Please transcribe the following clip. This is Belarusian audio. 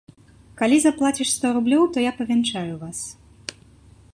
Калі заплаціш сто рублёў, то я павянчаю вас.